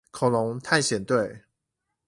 恐龍探險隊